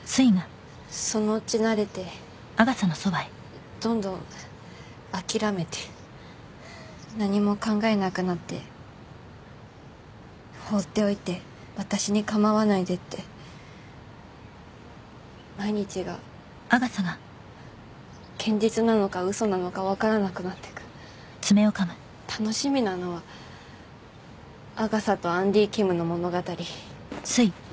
そのうち慣れてどんどん諦めて何も考えなくなって放っておいて私に構わないでって毎日が現実なのかウソなのかわからなくなっていく楽しみなのはアガサとアンディキムの物語